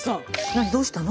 何どうしたの？